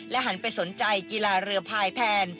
หันไปสนใจกีฬาเรือพายแทน